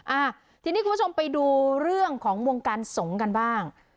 อ่าทีนี้คุณผู้ชมไปดูเรื่องของวงการสงฆ์กันบ้าง